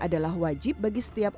adalah wajib bagi setiap